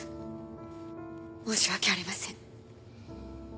申し訳ありません。